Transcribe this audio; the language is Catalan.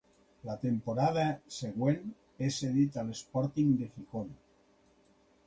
La temporada següent és cedit a l'Sporting de Gijón.